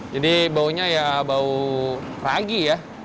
jadi baunya ya bau ragi ya